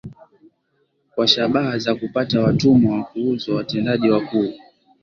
kwa shabaha za kupata watumwa wa kuuzwa Watendaji wakuu